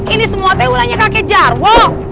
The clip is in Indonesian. ini semua tawulannya kakek jarwo